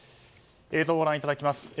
映像をご覧いただきます。